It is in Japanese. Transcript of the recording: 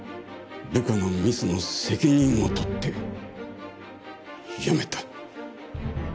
部下のミスの責任を取って辞めた。